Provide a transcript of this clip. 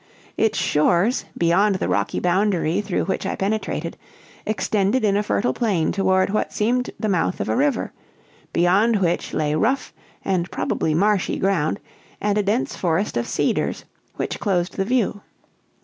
Its shores, beyond the rocky boundary through which I penetrated, extended in a fertile plain toward what seemed the mouth of a river, beyond which lay rough, and probably marshy, ground, and a dense forest of cedars, which closed the view.